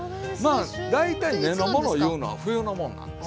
まあ大体根のものいうのは冬のもんなんです。